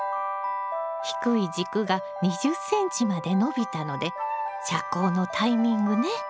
低い軸が２０ｃｍまで伸びたので遮光のタイミングね。